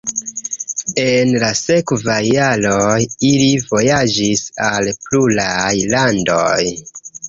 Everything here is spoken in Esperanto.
En la sekvaj jaroj ili vojaĝis al pluraj landoj.